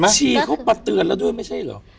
ชีเขามาเตือนแล้วด้วยไม่ใช่เหรอ